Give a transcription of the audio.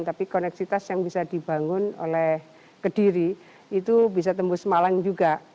tapi koneksitas yang bisa dibangun oleh kediri itu bisa tembus malang juga